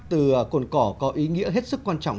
từ cồn cỏ có ý nghĩa hết sức quan trọng